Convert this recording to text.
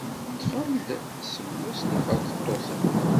Ḍḍfen-d semmus n yiferṭeṭṭuten.